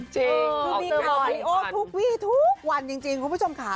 คือมีข่าวมาริโอทุกวีทุกวันจริงคุณผู้ชมค่ะ